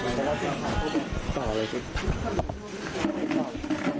หลังจากที่สุดยอดเย็นหลังจากที่สุดยอดเย็น